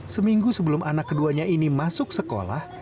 seminggu sebelum anak keduanya ini masuk sekolah